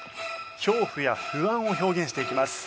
恐怖や不安を表現していきます。